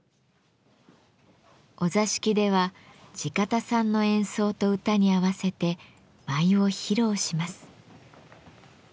お座敷では地方さんの演奏と歌に合わせて舞を披露します。